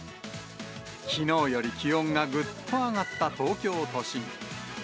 きのうより気温がぐっと上がった東京都心。